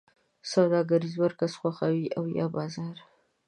سوداګریز مرکز خوښوی او یا بازار؟